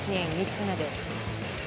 ３つ目です。